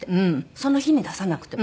その日に出さなくても。